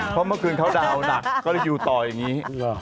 เพราะเมื่อคืนเขาดาวน์หนักก็เลยอยู่ต่ออย่างนี้